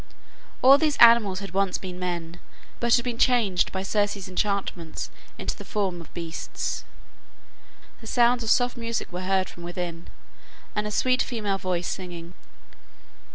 All these animals had once been men, but had been changed by Circe's enchantments into the forms of beasts. The sounds of soft music were heard from within, and a sweet female voice singing.